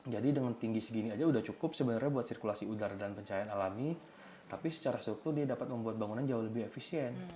jadi dengan tinggi segini saja sudah cukup sebenarnya buat sirkulasi udara dan pencahayaan alami tapi secara struktur dia dapat membuat bangunan jauh lebih efisien